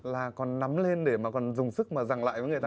là còn nắm lên để mà còn dùng sức mà rằng lại với người ta